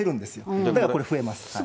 だからこれ、増えます。